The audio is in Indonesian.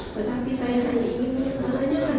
tetapi saya hanya ingin menanyakan